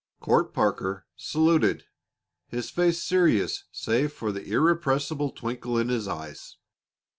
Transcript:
Court Parker saluted, his face serious save for an irrepressible twinkle in his eyes.